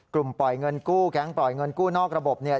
ปล่อยเงินกู้แก๊งปล่อยเงินกู้นอกระบบเนี่ย